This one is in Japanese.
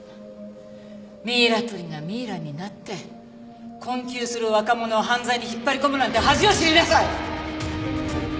ミイラ取りがミイラになって困窮する若者を犯罪に引っ張り込むなんて恥を知りなさい！